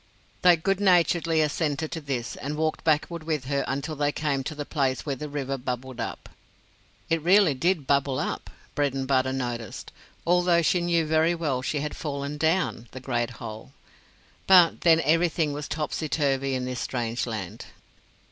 They good naturedly assented to this, and walked backward with her until they came to the place where the river bubbled up. It really did bubble up, Bredenbutta noticed, although she knew very well she had fallen down the Great Hole. But, then, everything was topsyturvy in this strange land.